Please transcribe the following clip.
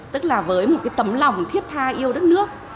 tức là với một cái tấm lòng thiết tha yêu đất nước